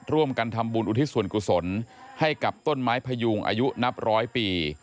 ร่วมกันทำบุญอุทิศส่วนกุศลให้กับต้นไม้พยุงอายุนับร้อยปี